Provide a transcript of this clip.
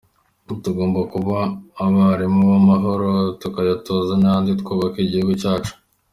Tugomba kuba abarimu b’amahoro tukayatoza n’abandi twubaka igihugu cyacu.